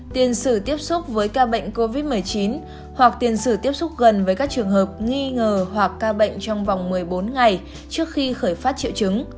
tiền sử tiếp xúc với ca bệnh covid một mươi chín hoặc tiền sử tiếp xúc gần với các trường hợp nghi ngờ hoặc ca bệnh trong vòng một mươi bốn ngày trước khi khởi phát triệu chứng